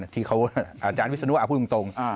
ที่เขาอาจารย์วิศนุอาพูดตรง